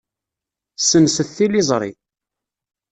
Ssenset tiliẓri.